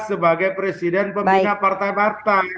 sebagai presiden pembina partai partai